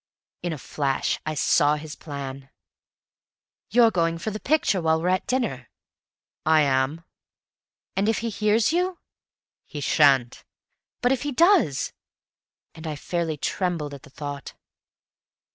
In a flash I saw his plan. "You're going for the picture while we're at dinner?" "I am." "If he hears you?" "He sha'n't." "But if he does!" And I fairly trembled at the thought.